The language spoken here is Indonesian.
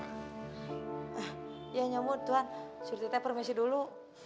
iya nyamud tuhan surti tep permisi dulu